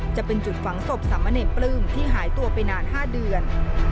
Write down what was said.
จะเป็นจุดฝังศพสามะเนรปลื้มที่หายตัวไปนาน๕เดือน